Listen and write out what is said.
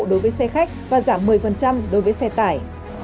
đối với xe khách và giảm một mươi đối với xe tải